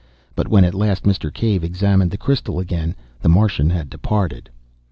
But when at last Mr. Cave examined the crystal again the Martian had departed.